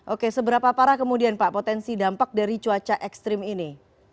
oke seberapa parah kemudian pak potensi dampak dari cuaca ekstrim ini